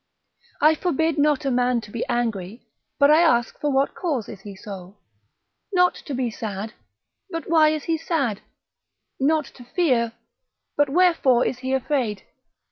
I forbid not a man to be angry, but I ask for what cause he is so? Not to be sad, but why is he sad? Not to fear, but wherefore is he afraid?